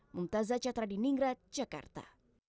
mumtazah catra di ningrat jakarta